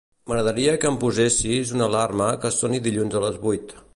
M'agradaria que em posessis una alarma que soni dilluns a les vuit.